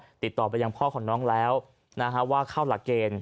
ก็ติดตอบไปยังข้อของตัวน้องว่าเข้าหลักเกณฑ์